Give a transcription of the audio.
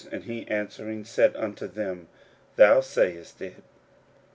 And he answering said unto them, Thou sayest it.